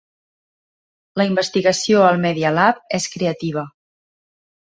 La investigació al Media Lab és creativa.